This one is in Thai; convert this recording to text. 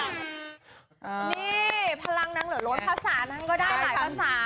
นี่พลังนางเหลือล้นภาษานางก็ได้หลายภาษา